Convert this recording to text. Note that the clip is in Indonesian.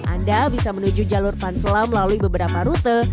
anda bisa menuju jalur pansela melalui beberapa rute